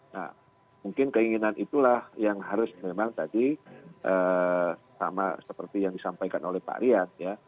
nah mungkin keinginan itulah yang harus memang tadi sama seperti yang disampaikan oleh pak rian ya